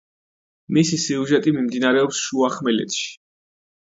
მისი სიუჟეტი მიმდინარეობს შუახმელეთში.